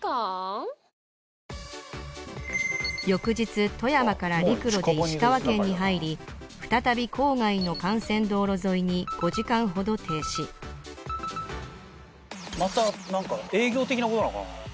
翌日富山から陸路で石川県に入り再び郊外の幹線道路沿いに５時間ほど停止また何か営業的なことなのかな？